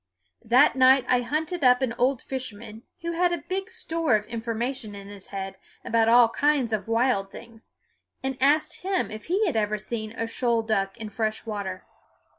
That night I hunted up an old fisherman, who had a big store of information in his head about all kinds of wild things, and asked him if he had ever seen a shoal duck in fresh water.